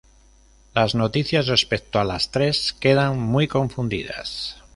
Las noticias respecto a las tres, quedan muy confundidas.